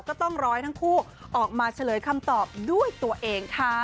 ก็ต้องรอให้ทั้งคู่ออกมาเฉลยคำตอบด้วยตัวเองค่ะ